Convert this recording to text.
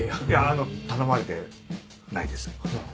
あの頼まれてないです。